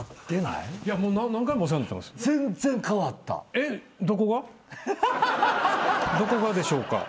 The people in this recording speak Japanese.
えっ⁉どこがでしょうか？